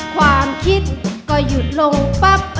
ความคิดก็หยุดลงปั๊บ